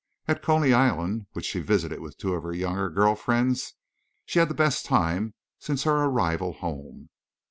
At Coney Island, which she visited with two of her younger girl friends, she had the best time since her arrival home.